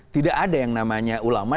tidak ada yang namanya ulama